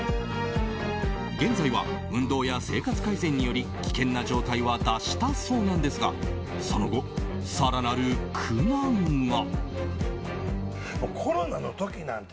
現在は運動や生活改善により危険な状態は脱したそうなんですがその後、更なる苦難が。